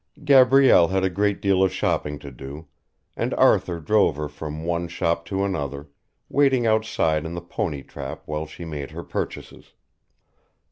Gabrielle had a great deal of shopping to do, and Arthur drove her from one shop to another, waiting outside in the pony trap while she made her purchases.